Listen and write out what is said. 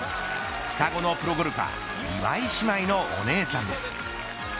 双子のプロゴルファー岩井姉妹のお姉さんです。